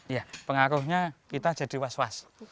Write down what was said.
ya pengaruhnya kita jadi was was